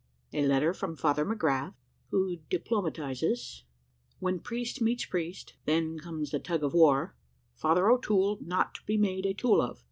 A LETTER FROM FATHER MCGRATH, WHO DIPLOMATISES WHEN PRIEST MEETS PRIEST, THEN COMES THE TUG OF WAR FATHER O'TOOLE NOT TO BE MADE A TOOL OF.